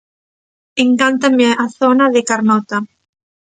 Encántame a zona de Carnota.